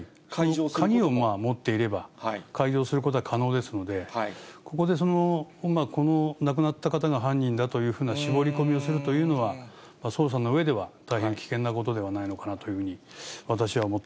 鍵を持っていれば開錠することは可能ですので、ここでこの亡くなった方が犯人だというふうな絞り込みをするというのは、捜査の上では大変危険なことではないのかなというふうに、私は思